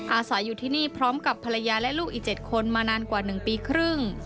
อาศัยอยู่ที่นี่พร้อมกับภรรยาและลูกอีก๗คนมานานกว่า๑ปีครึ่ง